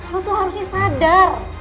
lo tuh harusnya sadar